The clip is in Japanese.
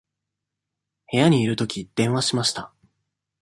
部屋にいるとき、電話しました。